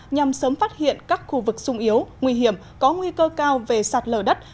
nhằm sớm phát hiện các khu vực sung yếu nguy hiểm có nguy cơ cao về sạt lở đất